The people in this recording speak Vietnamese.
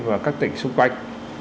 và các tỉnh xung quanh